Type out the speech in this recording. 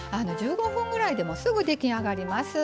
１５分ぐらいでもうすぐ出来上がります。